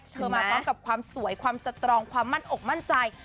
มาพร้อมกับความสวยความสตรองความมั่นอกมั่นใจ